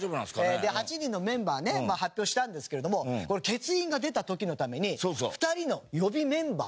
８人のメンバーね発表したんですけれども欠員が出た時のために２人の予備メンバー